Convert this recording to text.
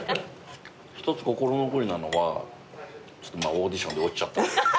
１つ心残りなのはオーディションで落ちちゃったこと。